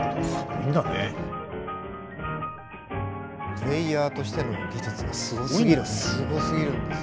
プレーヤーとしての技術がすごすぎるんです。